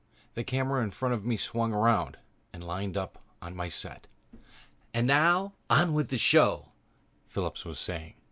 The camera in front of me swung around and lined up on my set. "... And now, on with the show," Phillips was saying.